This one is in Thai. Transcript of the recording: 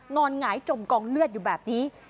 หงายจมกองเลือดอยู่แบบนี้